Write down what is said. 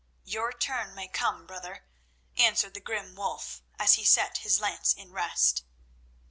"Your turn may come, brother," answered the grim Wulf, as he set his lance in rest.